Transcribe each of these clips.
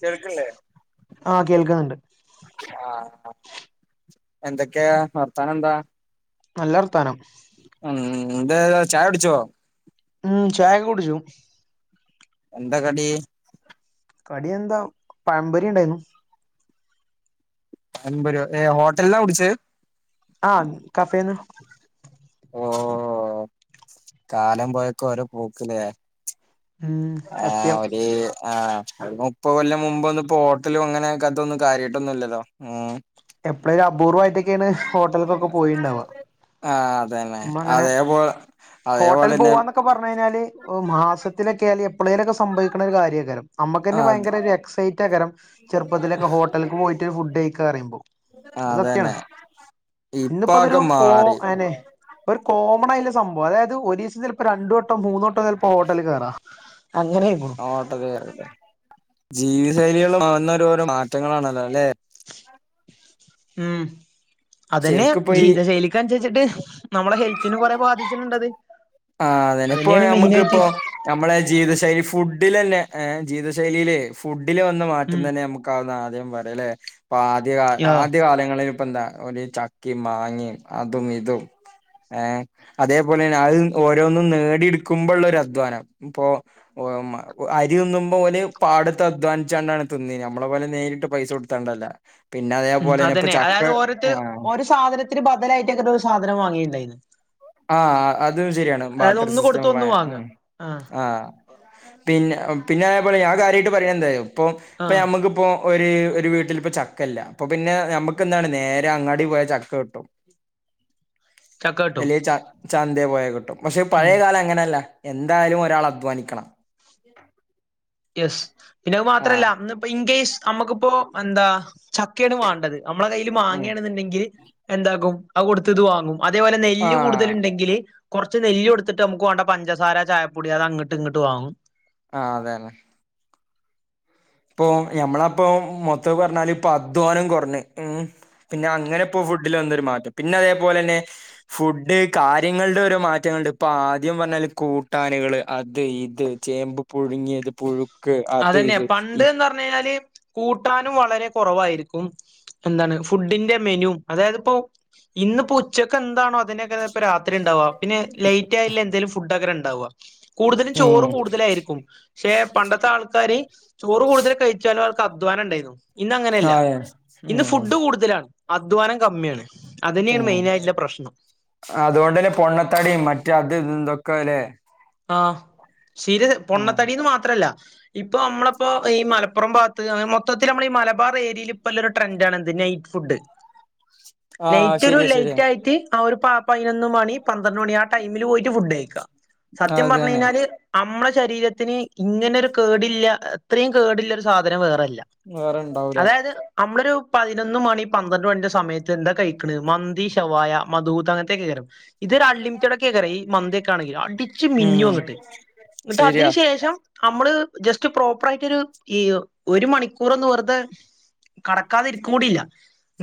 കേൾക്ൺല്ലേ ആഹ് കേൾക്കുന്നുണ്ട്. ആഹ്. എന്തൊക്ക്യേ വർത്താന ന്താ? നല്ലർത്താനം. മ് ഇതേതാ ചായുടിച്ചോ? മ് ചായൊക്കെ കുടിച്ചു എന്താ കടി? കടി എന്താ പയം പൊരി ഇണ്ടായിന്നു. പയം പൊര്യോ ഏഹ് ഹോട്ടൽന്നാ കുടിച്ചത്. ആഹ് കഫേ ന്ന് ഓഹ് കാലം പോയൊക്കൊ ഓരോ പോക്ക് ലേ. ഉം ആഹ് സത്യം ഒരി ആഹ് ഒര് നു പ്പത് കൊല്ലം മുമ്പൊന്നും ഇപ്പോ ഹോട്ടലും അങ്ങനെ ക്കെ ഇതൊന്നും കാര്യായിട്ടൊന്നുംല്ലല്ലോ. എപ്പ്ളേ ഒരപൂർവ്വായിട്ടൊക്കേണ് ഹോട്ടൽക്കൊക്കെ പോയിണ്ടാവാ. ആഹ് അതന്നെ അതേപോലെ അതേപോലെന്നെ ക്കെ പറഞ്ഞഴിഞ്ഞാല് ഏഹ് മാസത്തിലൊക്കെ അല്ലെ എപ്പളേലൊക്കെ സംഭവിക്ക്ണ ഒരു കാര്യേകാരം. നമ്മക്കന്നെ അത് ഭയങ്കര ഒരു എക്സൈറ്റെക്കാരം ചെറുപ്പത്തിലൊക്കെ ഹോട്ടൽക്ക് പോയിട്ട് ഒരു ഫുഡ് കയിക്കാറിയുമ്പോ. അത് സത്യാണ്. അതന്നെ ഇന്ന് പ്പതൊരു ഇപ്പൊക്കെ കോ മാറി അതന്നെ ഒരു കോമൺ ആയ്ല്ല സംഭവം അതായത് ഒരീസം ചിലപ്പം രണ്ട് വട്ടം മൂന്ന് വട്ടം ചെലപ്പം ഹോട്ടല് കേറാ. അങ്ങനേന്നു. ഓട്ടല് ജീവിത ശൈലികൾ മാറുന്ന ഓരോ മാറ്റങ്ങളാണല്ലോ ല്ലെ. ഉം അതന്നെ ശരിക്കും ഇപ്പൊ ഈ ജീവിതശൈലി കൻസരിച്ചിട്ട് നമ്മളെ ഹെൽത്തിനും കൊറെ ബാധിച്ചിട്ടുണ്ടത്. ആഹ് അതന്നെ ഇപ്പൊ അതന്നെയാണ് മെയിനായിട്ട് നമ്മക്കിപ്പൊ നമ്മളെ ജീവിതശൈലി ഫുഡിലെന്നെ ഏഹ് ജീവിതശൈലിയിലേ ഫുഡില് വന്ന മാറ്റം ഉം തന്നെ നമ ക്കാവുന്ന ആദ്യം പറയലേ. ഇപ്പാദ്യ കാ ആഹ് ആദ്യ കാലങ്ങളിൽ പ്പന്താ ഓല് ചക്കിം മങ്ങി അതും ഇതും ഏഹ് അതേപോലെന്നെ അഹ് ഓരോന്നും നേടിയെടുക്കുമ്പള്ള ഒരു അധ്വാനം ഇപ്പൊ ഓഹ് മ അരി തിന്നുമ്പം ഓൽ പാടത്ത് അധ്വാനിച്ചാണ്ടാണ് തിന്നീന്യെ നമ്മളെ പോലെ നേരിട്ട് പൈസ കൊടുത്താണ്ടല്ല. പിന്നെ മ് അതേപോലെന്നെ ഇപ്പൊ അതന്നെ അതായത് ചക്ക ഓരോരുത്തര് ആഹ് ഓരോ സാധനത്തിന് ബദലായിട്ടേക്കാരം ഒരു സാധനം വാങ്ങിണ്ടായിന്നത്. ആഹ് ആഹ് അതും ശരിയാണ് ബാട്ടർ സിസ്റ്റം കൊടുത്ത് ഒന്ന് വാങ്ങ ഏഹ് ആഹ് പിന്നെ പിന്നെ അതേപോലെ ഞാൻ കാര്യായിട്ട് പറയണ എന്താ അറിയോ ഇപ്പം ആഹ് ഞമ്മക്കിപ്പം ഒര് ഒരു വീട്ടിലിപ്പം ചക്കല്ല അപ്പപിന്നെ നമക്ക് എന്താണ് നേരെ അങ്ങാടി പോയാ ചക്ക കിട്ടും. ചക്ക കി അല്ലെ ച ചന്തേ പോയാ കിട്ടും. പക്ഷെ ഉം പഴയകാലം അങ്ങനല്ല എന്തായാലും ഒരാൾ അധ്വാനിക്കണം. യെസ്. പിന്നെ അത് മാത്രല്ല ആഹ് ഇന്ന് പ്പ ഇൻകേസ് നമ്മക്കിപ്പോ എന്താ ചക്കേണ് വാണ്ടത്. നമ്മളെ കയ്യിൽ ഉം മാങ്ങേണ് ന്നുണ്ടെങ്കിൽ എന്താക്കും അത് കൊടുത്തിത് വാങ്ങും. അതേപോലെ നെല്ല് കൂടുതല് ആഹ് ഇണ്ടെങ്കില് കുറച്ച് [unintelligible] എടുത്തിട്ട് നമുക്ക് വേണ്ട പഞ്ചസാര ചായപ്പൊടി അത് അങ്ങട്ട് ഇങ്ങട്ട് വാങ്ങും ആഹ് അതെന്നെ ഇപ്പൊ ഞമ്മളപ്പൊ മൊത്തം പറഞ്ഞാല ഇപ്പൊ അധ്വാനം കുറഞ്ഞ ഉം പിന്നെ അങ്ങനെ പ്പോ ഫുഡിൽ വന്നൊരു മാറ്റം പിന്നെ അതേപോലെ തന്നെ ഫുഡ് കാര്യങ്ങളുടെ ഓരോ മാറ്റങ്ങുണ്ട് ഇപ്പൊ ആദ്യം പറഞ്ഞാല് കൂട്ടാനകള് അത് ഇത് ചേമ്പ് പുഴുങ്ങിയത് പുഴു അതന്നെ പണ്ട്ന്ന് പറഞ് കഴിഞ്ഞാല് കൂട്ടാനും വളരെ കുറവായിരിക്കും എന്താണ് ഫുഡിന്റെ മെനു അതായത് ഇപ്പോ ഇന്ന് ഇപ്പോ ഉച്ചയ്ക്ക് എന്താണോ അതിനങ്ങനെ ഇപ്പൊ രാത്രി ഉണ്ടാവാം പിന്നെ ലേറ്റ് ആയില്ല എന്തെലും ഫുഡ് അങ്ങനെ ഉണ്ടാവാ കൂടുതലും ഉം ചോറ് കൂടുതലായിരിക്കും പക്ഷെ പണ്ടത്തെ ആൾക്ക ആൾക്കാർ ചോറ് കൂടുതൽ കഴിച്ചാലും അവർക്ക് അധ്വാനം ഉണ്ടായിരുന്നു. ഇന്നങ്ങനെയല്ല അതെ ഉം ഇന്ന് ഉം ഫുഡ് കൂടുതലാണ് അധ്വാനം കമ്മിയാണ്. അത് തന്നെയാണ് ഉം മെയിൻ ആയിട്ടുള്ള പ്രശ്നം അതുകൊണ്ട് തന്നെ പൊണ്ണത്തടിയും മറ്റേ അത് ഇത് എന്തൊക്കെ അല്ലേ ആഹ് ശീര് ഉം പൊണ്ണത്തടിന്ന് മാത്രമല്ല ഇപ്പൊ നമ്മളിപ്പോ ഈ മലപ്പുറം ഭാഗത്ത് മൊത്തത്തിൽ നമ്മൾ മലബാർ ഏരിയൽ ഇപ്പല്ല ഒരു ട്രെൻഡ് ആണിത് നൈറ്റ് ഫുഡ് [inaudible] ആഹ് നൈറ്റ് ഒരു ശരിയാ ശരിയാ ലൈറ്റ് ആയിട്ട് ആഹ് ഒരു പതിനൊന്ന് മണി പന്ത്രണ്ട് മണി ആഹ് ടൈമിൽ പോയിട്ട് ഫുഡ് കഴിക്കാം സത്യം പറഞ്ഞു അതന്നെ കഴിഞ്ഞാൽ നമ്മളെശരീരത്തിന് ഇങ്ങനെ ഒരു കേടില്ല അത്രയും കേടില്ല ഒരു സാധനം വേറെയില്ല വേറെ ഇണ്ടാവൂല അതായത് നമ്മളൊരു പതിനൊന്ന് മണി പന്ത്രണ്ട് മണിന്റെ സമയത്ത് ഇത് എന്താ കഴിക്കണ് മന്തി ശവായ മധൂത്ത് അങ്ങനത്തക്കെ കേട്ടിട്ടുണ്ട് ഇത് ഒരു അൺലിമിറ്റഡ് ഒക്കെ കറി ഈ മന്തി ആണെങ്കിൽ അടിച്ച് മിന്നും ഉം അങ്ങിട്ട് എന്നിട്ട് ശരിയാ അതിന് ശേഷം നമ്മൾ ജസ്റ്റ് പ്രോപ്പർ ആയിട്ടൊരു ഈ ഒരു മണിക്കൂർ ഒന്ന് വെറുതെ കടക്കാതെ ഇരിക്കും കൂടില്ല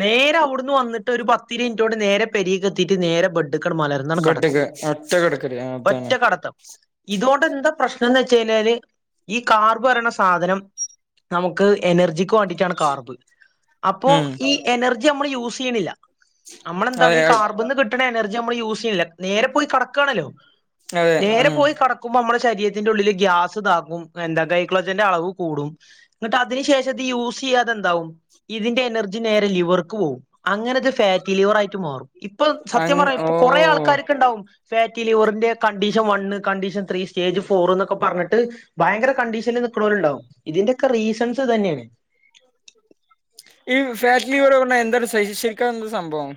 നേരെ അവിടുന്ന് വന്നിട്ട് ഒരു പത്തു മിനിറ്റ് നേരെ പെരിക്ക് എത്തിയിട്ട് നേരെ ബെ ട്ക്കണം മലർ ബെട്ക്ക് ഒറ്റ കിടക്കൽ ആഹ് ഒറ്റ കടത്തം ഇതോട് എന്താ പ്രശ്നം എന്ന് വെച്ച് കഴിഞ്ഞാൽ ഈ കാർബോരണ സാധനം നമുക്ക് എനർജി വേണ്ടിട്ടാണ് കാർബൺ അപ്പോ ഉം ഈ എനർജി നമ്മൾ യൂസ് ചെയ്യണില്ല നമ്മളെന്താണ് അതെ ഈ അ- കാർബൺ കേ- എനർജി നമ്മൾ യൂസ് ചെയ്യുന്നില്ല നേരെ പോയി കടക്കുകയാണല്ലോ അതെ. നേരെ ഉം. പോയി കടക്കുമ്പോൾ നമ്മുടെ ശരീരത്തിന്റെ ഉള്ളിൽ ഗ്യാസ് ഇതാക്കും എന്താ ഗൈക്ലോജന്റെ അളവ് കൂടും. എന്നിട്ട് അതിന് ശേഷം ഇത് യൂസ് ചെയ്യാതെന്താവും ഇതിന്റെ എനർജി നേരെ ലിവർക്ക് പോവും അങ്ങനെ ഇത് ഫാറ്റി ലിവർ ആയിട്ട് മാറും. ഇപ്പൊ സത്യം അങ് പറയാ ഇപ്പൊ കൊറേ ഓഹ്. ആൾക്കാരൊക്കെ ഉണ്ടാവും ഫാറ്റി ലിവറിന്റെ condition one condition three stage four എന്നൊക്കെ പറഞ്ഞിട്ട് ഭയങ്കര കണ്ടീഷനിൽ നിൽക്കണവരുണ്ടാവും. ഇതിന്റെയൊക്കെ റീസൺസ് ഇതൊക്കെ തന്നെയാണ്. ഈ ഫാറ്റ്ലി എന്താണ് [inaudible] ശരിക്കും എന്താണ് സംഭവം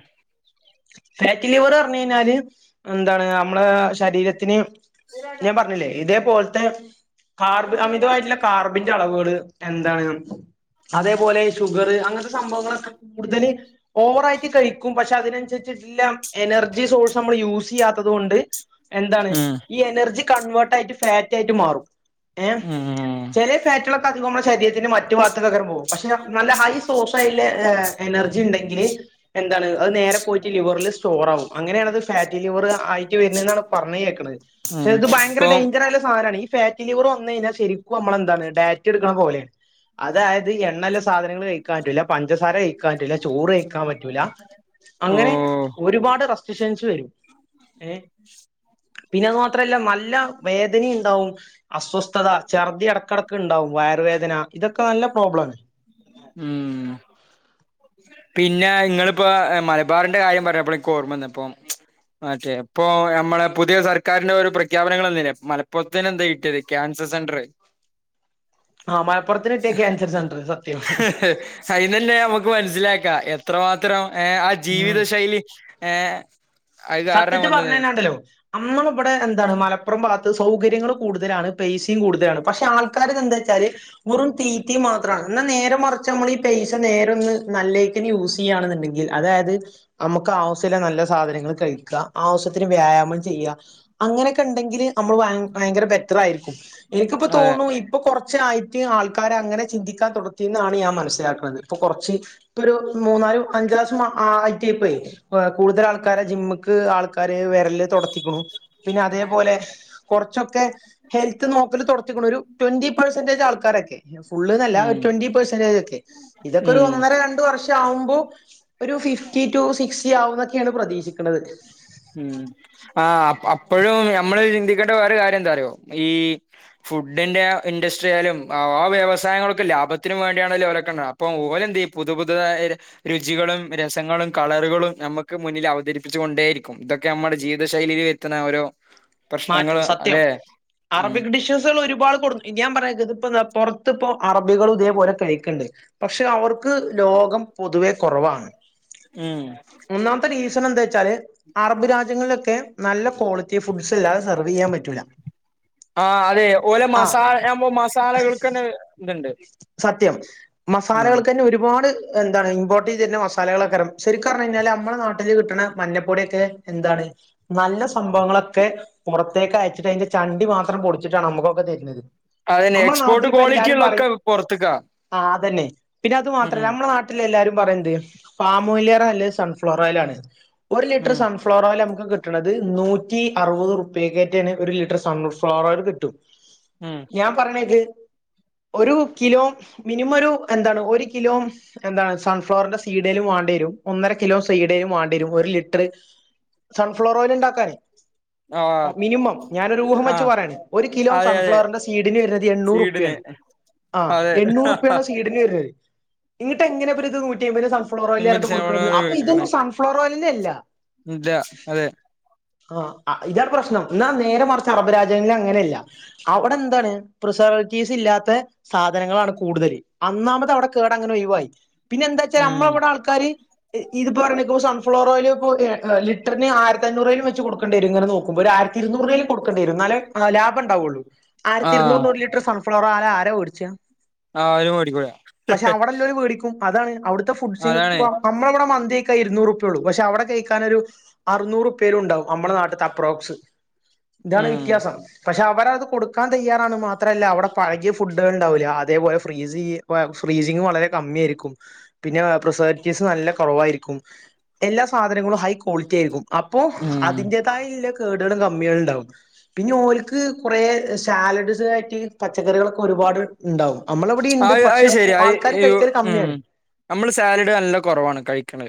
ഫാറ്റിലിവർ പറഞ്ഞു കഴിഞ്ഞാൽ എന്താണ് നമ്മളെ ശരീരത്തിന് ഞാൻ പറഞ്ഞില്ലേ ഇതേ പോലത്തെ കാർബൺ അമിതമായിട്ടുള്ള കാർബ- ന്റെ അളവുകൾ എന്താണ് അതേപോലെ ഷുഗർ അങ്ങനത്തെ സംഭവങ്ങളൊക്കെ കൂടുതൽ ഓവറായിട്ട് കഴിക്കും പക്ഷെ അതിനനുസരിച്ചിട്ടില്ല എനർജി സോഴ്സ് നമ്മൾ യൂസ് ചെയ്യാത്തത് കൊണ്ട് എന്താണ് ഉം. ഈ എനർജി കൺവേർട്ട് ആയിട്ട് ഫാറ്റ് ആയിട്ട് മാറും എഹ് ഉം. ചില ഫാറ്റൊക്കെ നമ്മുടെ ശരീരത്തിന്റെ മറ്റു ഭാഗത്തേക്ക് അങ്ങട്ട് പോകും പക്ഷെ നല്ല ഹൈ സോഴ്സ് ആയിട്ടുള്ള എനർജി ഉണ്ടെങ്കിൽ എന്താണ് അത് നേരെ പോയിട്ട് ലിവറിൽ സ്റ്റോർ ആകും അങ്ങനെയാണത് ഫാറ്റി ലിവർ ആയി വരുന്നന്നെന്നാണ് പറഞ്ഞ് കേൾക്കുന്നത് പക്ഷെ ഉം. ഇത് ഭയങ്കര ഇപ്പം ഡേഞ്ചർ ആയുള്ള സാധനമാണ്. ഫാറ്റി ലിവർ വന്നു കഴിഞ്ഞാൽ ശരിക്കും നമ്മളെന്താണ് ഡാറ്റ് എടുക്കണ പോലെയാണ് അതായത് എണ്ണയിലെ സാധനങ്ങൾ കഴിക്കാൻ പറ്റില്ല പഞ്ചസാര കഴിക്കാൻ പറ്റില്ല ചോറ് കഴിക്കാൻ പറ്റൂല അങ്ങനെ ഓഹ്. ഒരുപാട് റെസ്ട്രിക്ഷൻസ് വരും ഏഹ് പിന്നെ അതു മാത്രല്ല നല്ല വേദനയുണ്ടാവും. അസ്വസ്ഥത ഛർദി ഇടക്കിടയ്ക്ക് ഉണ്ടാവും വയറുവേദന ഇതൊക്കെ നല്ല പ്രോബ്ലമാണ്. ഉം പിന്നെ ഇങ്ങളിപ്പോ മലബാറിന്റെ കാര്യം പറഞ്ഞപ്പോൾ എനിക്ക് ഓർമ്മ വന്നേ ഇപ്പോ ആ ഇപ്പൊ നമ്മളെ പുതിയ സർക്കാരിന്റെ ഒരു പ്രഖ്യാപനങ്ങൾ മലപ്പുറത്ത് തന്നെ എന്താ കിട്ടിയത് ക്യാൻസർ സെന്റർ ആ മലപ്പുറത്തി കിട്ടിയ ക്യാൻസർ സെന്റർ സത്യം ഫൈനൽ നമുക്ക് മനസ്സിലാക്കാം എത്രമാത്രം ഏ ആ ഉം ജീവിതശൈലി ഏ സത്യത്തി പറഞ്ഞ തന്നാണ്ടല്ലോ നമ്മളിവിടെ എന്താണ് മലപ്പുറം ഭാഗത്ത് സൗകര്യങ്ങള്ൾ കൂടുതലാണ് പേയ്സിം കൂടുതലാണ് പക്ഷെ ആൾക്കാറ് എന്താ വെച്ചാല് വെറും തീറ്റ മാത്രമാണ് എന്നാ നേരെ മറച്ച നമ്മൾ ഈ പൈസ നേര ഒന്ന് നല്ലേ യൂസ് ചെയ്യന്നുണ്ട്ങ്കിൽ അതായത് നമുക്ക് ആവശ്യമുള്ള നല്ല സാധനങ്ങൾ കഴിക്ക ആവശ്യത്തിന് വ്യായാമം ചെയ്യ അങ്ങനെയൊക്കെ ഉണ്ടെങ്കിൽ നമ്മള് ഭയങ്കര ബെറ്റർ ആയിരിക്കും എനിക്കിപ്പോ അതെ തോന്നണു ഇപ്പൊ കുറച്ചായിട്ട് ആൾക്കാരെ അങ്ങനെ ചിന്തിക്കാൻ തുടത്തി എന്നാണ് ഞാൻ മനസ്സിലാക്കുന്നത് ഇപ്പൊ കുറച്ച് പേരു മൂന്നാല് അഞ്ച് ക്ലാസും ആയിട്ടയ ഇപ്പൊ കൂടുതൽ ആൾക്കാരെ ജിമ്മക്ക് ആൾക്കാര് വരല് തുടത്തിക്കണു പിന്നെ അതേപോലെ കുറച്ചൊക്കെ ഹെൽത്ത് നോക്കല് തുടത്തിക്കണ ഒരു ട്വന്റി പെർസെന്റേജ് ആൾക്കാരൊക്കെ ഫുള്ന്നല്ല ഉം ഒരു ട്വന്റി പെർസെന്റേജ് ഒക്കെ ഇതൊക്കെ ഒരു ഉം ഒന്നര രണ്ട് വർഷം ആവുമ്പോ ഒരു ഫിഫ്റ്റി ടു സിക്സ്റ്റി ആവുന്നൊക്കെയാണ് പ്രതീക്ഷിക്കുന്നത് ഉം ആ് അപ്പോഴും നമ്മള് ചിന്തിക്കേണ്ട വേറെ കാര്യം എന്താ അറിയോ ഈ ഫുഡിന്റെ ഇൻഡസ്ട്രിയാലും ആ ആ വ്യവസായങ്ങൾൊക്കെ ലാഭത്തിനന് വേണ്ടിയാണ അവലക്ക ഇപ്പം ഓലെന്തെയും പുതു പുതു രുചികളും രസങ്ങളും കളറുകളും നമുക്ക് മുന്നിൽ അവതരിപ്പിച്ചു കൊണ്ടേയിരിക്കും. ഇതൊക്കെ നമ്മുടെ ജീവിത ശൈലിൽ എത്തുന്ന ഓ മാറ്റ സത്യം ഉം അറബിക് ഡിഷസുകൾ ഒരുപാട് കൊടു പിന്നയാ പറ ഇ പുറത്തി ഇപ്പോ അറബികളും ഇതേപോലെ കഴിക്കുണ്ട് പക്ഷെ അവർക്ക് ലോകം പൊതുവെ കുറവാണ് ഉം ഒന്നാമത്തെ റീസൺ എന്താ വെച്ചാല് അറബ് രാജ്യങ്ങളിലൊക്കെ നല്ല ക്വാളിറ്റി ഫുഡ് സ അല്ലത സെർവ് ചെയ്യൻ പറ്റില്ല ആഹ് അതെ ഓലെ മസാല ആമ്പോ മസാലകൾക്ക്ന്നെ ഇതുണ്ട് സത്യം ഉം മസാലകൾക്ക തന്നെ ഒരുപാട് എന്താണ് ഇമ്പോർട്ട് ചെയ്ത് വരുന്ന മസാലകളൊക്കെരം ശരിക്കും പറഞ്ഞു കഴിഞ്ഞാൽ നമ്മുട നാട്ടിൽ കിട്ടുന്ന മഞ്ഞപ്പൊടിയൊക്കെ എന്താണ്? നല്ല സംഭവങ്ങളൊക്കെ പുറത്തേക്ക് അയച്ചിട്ട് അതിന്റെ ചണ്ടി മാത്രം പൊടിച്ചിട്ടാണ് നമുക്കൊക്കെ തരുന്നത് അതന്നെ നമ്മളെ എക്സ്പോർട്ട് ക്വാളിറ്റികളൊക്കെ പുറത്തക്കാ ആഹ് അതന്നെ പിന്നെ അത് മാത്രല്ല നമ്മുടെ നാട്ട എല്ലാരും പറയും എന്ത് പമൊയിലേറെ നല്ലെ സൺഫ്ലവർ ഓയിലാണ് ഒറു ലിറ്റർ ഉം സോൺഫ്ലവർ ഓയിൽ ഫ്ലോറോയിൽ നു കിട്ടുന്നത് നൂറ്റ നൂറ്റി അറുപത് ഉറുപക്കററ്റേണു ഒരു ലിറ്റർ സൺഫ്ളവർ ഓയിൽ കിട്ടും ഉം ഞാൻ പറഞ്ഞത് ഒരു കിലോ മിനിമം ഒരു എന്താണ് ഒരു കിലോ എന്താണ് സൺഫ്ലവറിന്റെ സീഡേലും വേണ്ടി വരും ഒന്നര കിലോ സീഡേലും വേണ്ടി വരും ഒരു ലിറ്റർ സൺഫ്ലോർ ഓയിൽ ഉണ്ടാക്കാനെ ആഹ മിനിമം ഞാനൊരു ഊഹം വെച്ച് പറയാണ് ഒരു കിലോ അതെ അതെ സൺഫ്ലവറിന്റെ സീഡിനു വരുന്നത് സ്വീഡന് എണ്ണൂറ്പയാണ് ആഹ് അതെ എണ്ണു റുപ ആണോ സീഡിന് വരുന്ന ഇന്നിട്ട് എങ്ങനെ ഇത് കൂിയ ഫ്ലവർ ഓയില ആയിട്ട് മിൻസിനോട് കൊടുക്കുന്നത് അപ്പ കേക്കണേ ഇതൊന്നുംസൺഫർ ഓയിലിന അല്ല ഇല്ല അതെ ആ ഇത പ്രശ്നം എന്നാൽ നേരെ മറിച്ച് അറബ് രാജ്യങ്ങളിൽ അങ്ങനെയല്ല അവിടെ എന്താണ് പ്രിസർവേറ്റീവ്സ് ഇല്ലാത്ത സാധനങ്ങളാണ് കൂടുതൽ അന്നാമത് അവിടെ കേടഅങ്ങനെ ഒഴിവായി പിന്നെന്താച്ചാൽ ഉം നമ്മളവിടെ ആൾ ക്കാര് ഇത് പറഞ്ഞ്ക്കു സൺഫ്ളവർ ഓയിൽ [unintelligible] ലിറ്ററ്ന് ആയിരതഞ്ഞൂറെയ്ലും വെക് ച്ച് കൊടുക്കണ്ട്യരും ഇങ്ങനെ നോക്ക്മ്പോ ഒര് ആയിരത്തി ഇരുന്നൂറേലും കൊടുക്കണ്ടരും ഇന്നാലേ ആഹ് ലാഭ ഇണ്ടാവാെള്ളൂ ആഹ് ആയ്ര്ത്തിഇരുന്നൂറിന് ഒര് ലിറ്റ്ർ ഇത്ര സൺഫ്ലവർ ഓല ആരാ വേട്ച്ചാ ആരും മേടിക്കൂല പക്ഷെ അവിടെല്ലോര് മേടിക്കും അതാണ് അവിട്ത്തെ അതാണ് ഫുഡ്ചിന്പ്പാണ് നമ്മള ഇവിടെ മന്തിയക്കാൻ ഇരുന്നൂറുപ്പ്യള്ളൂ പക്ഷെ അവടെ കഴിക്കാനൊരു അറുന്നൂറുപ്പ്യെലും ഇണ്ടാവും നമ്മടെ നാട്ട്ത്തെ അപ്രോക്സ് ഇതാണ് ഉം വ്യത്യാസം പക്ഷെ അവരത് കൊട്ക്കാൻ തയ്യാറാണ് മാത്രല്ല അവടെ പഴകിയ ഫുഡ്ഡാള് ഇണ്ടാവൂല്ല അതേപോലെ ഫ്രീസ് ചെയ്യ് [unintelligible] ഫ്രീസിങ്ങ് വളരെ കമ്മ്യായിരിക്കും പിന്നെ പ്രേസേവേറ്റീവ്സ് നല്ല കാെറവായിരിക്കും എല്ലാ സാധനങ്ങളും ഹൈ ക്വാളിറ്റി ആയിരിക്കും അപ്പോ ഉം അതിന്റേതായില്ല കേട്കളും കമ്മികളും ഇണ്ടാവും പിന്നെ ഓൽക്ക് കാെറേ സാലഡ്സ് ആയിട്ട് പച്ചക്കറികളൊക്കെ ഒരുപാട് ഇണ്ടാവും നമ്മളവെടിം ഇണ്ട് അത് അത് പക്ഷെ ശരിയാ അത് ആൾക്കാര് യു കഴിക്കല് ഉം കമ്മ്യാണ് നമ്മള് സാലഡ് നല്ല കാെറവാണ് കഴിക്ക്ണ്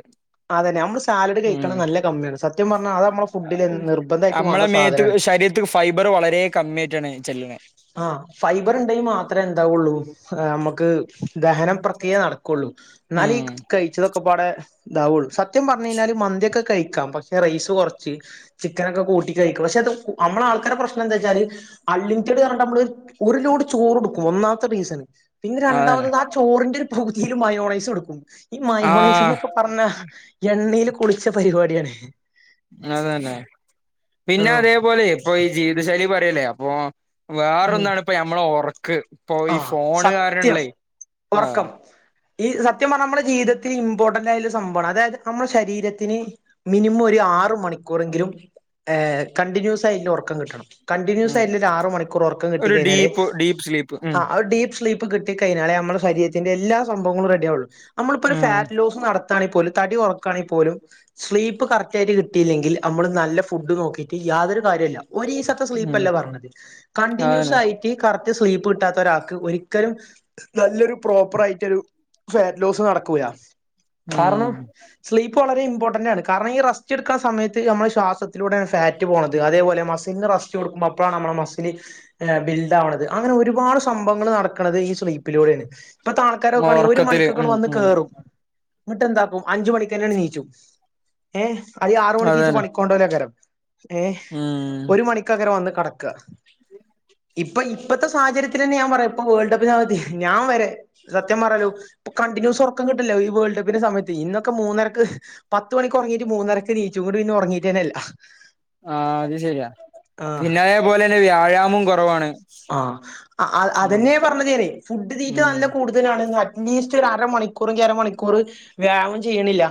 അതന്നെ അമ്മള് സാലഡ് കഴിക്കണ നല്ല കമ്മ്യാണ് സത്യം പറഞ്ഞാ അത് നമ്മ അമ്മളെ മേത്ത്ക്ക് ശരീരത്ത്ക്ക് ഫൈബർ വളരെ കമ്മ്യായിട്ടാണ് ചെല്ല്ണെ ആഹ് ഫൈബറ് ഇണ്ടെങ്കി മാത്രേ എന്താവുള്ളൂ ഏ് അമ്മക്ക് ദഹനം പ്രക്രിയ നടക്ക് ക്കൊള്ളൂ ഇന്നാലെ ഉം കഴിച്ചതൊക്കെപ്പാടെ ഇതാവുള്ളൂ സത്യം പറഞ്ഞ്കഴിഞ്ഞാല് മന്തിയൊക്കെ കഴിക്കാം പക്ഷ റൈസ് കാെറ്ച്ച് ചിക്കനൊക്കെ കൂട്ടി കഴിക്കും പക്ഷെ അത് അമ്മള ആൾക്കാരെ പ്രശ്നം എന്തേച്ചാല് അൺലിമിറ്റഡർഞ്ഞ്ക്കാണ്ട് അമ്മള് ഒരു ലോഡ് ചോറ് എട്ക്കും ഒന്നാമത്തെ റീസൺ പിന്നെ അതന്നെ രണ്ടാമത്തത് ആ ചോറിന്റെ ഒരു പകുതിയിലും മയോണൈസും ഇട്ക്കും ഈ മായോണൈസ് ആഹ് എന്നൊക്കെ പറഞ്ഞാ എണ്ണയിൽ കുളിച്ച പരിപാടിയാണ് അതന്നെ പിന്നെ ആഹ് അതേപോലെ ഇപ്പൊ ഈ ജീവിത ശൈലി പറയല്ലേ അപ്പൊ ഉം വേറൊന്നാണ് ഇപ്പ ഞമ്മള ഒറക്ക് ഇപ്പൊ ഈ ആഹ് ഫോണ് സത്യം കാരണല്ലേ ആഹ് ഒറക്കം ഈ സത്യം പറഞ്ഞാ അമ്മള ജീവിതത്തിൽ ഇമ്പോർട്ടന്റ് ആയരു സംഭവമാണ് അതായത് നമ്മ ശരീരത്തിന് മിനിമം ഒരു ആറ് മണിക്കൂറെങ്കിലും ഏഹ് കണ്ടിന്യൂസ് ആയിട്ട്ള്ള ഒറക്കം കിട്ടണം ഉം കണ്ടിന്യൂസായ്റ്റ്ള്ള ഒരു ആറ് മണിക്കൂറ് ഒർക്കം കിട്ടി കഴിഞ്ഞാല് സ്ലീപ് ഉം അത്ഡീപ് സ്ലീപ്പ് കിട്ടി കഴിഞ്ഞാലേ നമ്മള ശരീരത്തിന്റെ എല്ലാ സംഭവങ്ങളും റെഡിയാവുള്ളൂ നമ്മള്പ്പാെരു ഒരു ഉം ഫാറ്റ് ലോസ് നടത് ത്താണെൽപോലും തടി കാെറക്കാണങ്കിൽ പോലും സ്ലീപ്പ് കറക്റ്റ് ആയിട്ട് കിട്ടയില്ലെങ്കിൽ അമ്മള് നല്ല ഫുഡ് നോക്കീട്ട് യാതൊരു കാര്യാെല്ല ഒരീസൊ ത്തെ ഉം സ്ലീപ്പല്ല പറഞ്ഞത് കണ്ടിന്യൂസ് അതന്നെ ആയിട്ട് കറക്റ്റ് സ്ലീപ്പ് കിട്ടാത്ത ഒരാൾക്ക് ഒരിക്കലും നല്ലൊരു പ്രോപ്പർ ആയിട്ടൊരു ഫാറ്റ് ലോസ് നടക്കൂല കാരണം ഉം സ്ലീപ്പ് വളരെ ഇമ്പോർട്ടന്റ് ആണ് കാരണം ഈ റസ്റ്റ് ഇട്ക്ക്ണ സമയത്ത് നമ്മൾ ശ്വാസത്തിലൂടെണ് ഫാറ്റ് പോണത് അതേപോലെ മസിൽന് റസ്റ്റ്- സ്റ്റ് കൊട്ക്കുമ്പോ അപ്പളാണ് അമ്മളെ മസില് ബിൽഡ് ആവണത് അങ്ങനെ ഒരുപാട് സംഭവങ്ങള് നടക്കണത് ഈ സ്ലീപ്പിലൂടെണ് ഇപ്പത്തെ ആൾക്കാരൊക്കാണീ ഒരു ഒറക്കത്തില് മണിക്കൊക്കെ ഉം വന്ന് ഉം കേറും ഇന്ന്ട്ടന്താക്കും അഞ്ചു മണിക്കന്നെ നീച്ചും ഏഹ് അത് ആറ് മണിക്കീച്ച് അതന്നെ പണിക്കൊണ്ടാേലേക്കാരം ഏഹ് ഉം ഒരു മണി ക്കെക്കാരം വന്ന് കട്ക്കാ ഇപ്പ ഇപ്പത്തെ സാഹചര്യത്തി ലെന്നെ ഞാൻ പറയാ ഇപ്പോ വേൾഡ് കപ്പ് [unintelligible] ഞാം വരെ സത്യം പറയാല്ലോ ഇപ്പ കണ്ടിന്യൂസ് ഒറക്കം കിട്ട്ല്ലാ ഈ വേൾഡ് കപ്പിന്റെ സമയത്തെ ഇന്നൊക്കെ മൂന്നെരക്ക് പത്ത് മണിക്ക് ഒറങ്ങീട്ട് മൂന്നരക്ക് നീച്ചു ഇന്നട്ട് പിന്നെ ഒറങ്ങീട്ടന്നെല്ല ആഹ് അത് ശരിയാ പിന്നെ അഏപോലെന്നെ വ്യായാമോം കാെറവാണ് ആഹ് അഅ അതെന്നെ പറഞ്ഞത് ഞാനെ ഫുഡ് തീറ്റ ഉം നല്ല കൂടുത തലാണ് ന്നാ അറ്റ്ലീസ്റ്റ് ഒരു അരമണിക്കൂറങ്കി അരമണിക്കൂർ വ്യായാമം ചെയ്യ്ണില്ല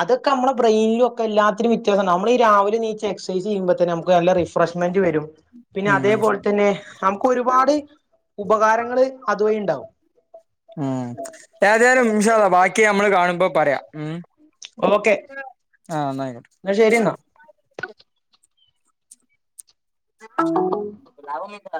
അതൊക്കെ അമ്മള ബ്രെയ്നിനും ഒക്കെ എല്ലാത്തിലും വ്യത്യാസണ്ടാകും നമ്മള് ഈ രാവിലെ ണീച്ച് എക്സൈസ് ചെയ്യുമ്പോ തന്നെ നമുക്ക് നല്ല റിഫ്രഷ് ഫ്രഷ്മെന്റ് വരും പിന്നെ ഉം അതേപോൽതന്നെ നമുക്ക് ഒരുപാട് ഉപകാരങ്ങള് അതുവഴി ഇണ്ടാവും ഉം ഏതായാലും ഇൻശാ അല്ലാഹ് ബാക്കി നമ്മള് കാണുമ്പോ പറയാം ഉം ഓക്കെ ആഹ് ന്നാ ആയിക്കോട്ടെ എന്നാശരി ന്നാ [unintelligible]